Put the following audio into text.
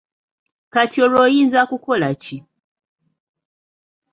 Kati olwo oyinza kukola ki?